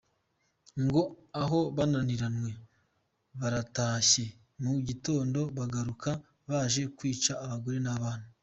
Ngo aho bananiriwe, baratashye mu gitondo bagaruka baje kwica abagore n’abana.